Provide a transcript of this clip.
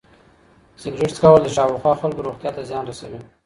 سګرټ څکول د شاوخوا خلکو روغتیا ته زیان رسوي.